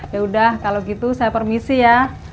yaudah kalau gitu saya permisi ya